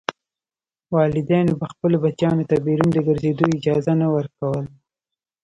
والدینو به خپلو بچیانو ته بیرون د ګرځېدو اجازه نه ورکوله.